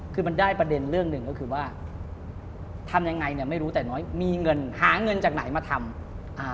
คือมันได้ประเด็นเรื่องหนึ่งก็คือว่าทำยังไงเนี่ยไม่รู้แต่น้อยมีเงินหาเงินจากไหนมาทำอ่า